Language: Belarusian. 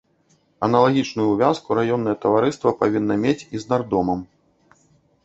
Аналагічную ўвязку раённае таварыства павінна мець і з нардомам.